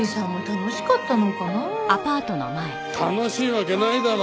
楽しいわけないだろ！